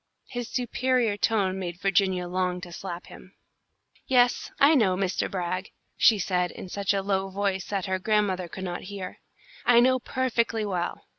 His superior tone made Virginia long to slap him. "Yes, I know, Mr. Brag," she said, in such a low voice that her grandmother could not hear. "I know perfectly well.